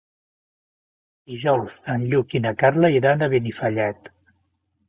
Dijous en Lluc i na Carla iran a Benifallet.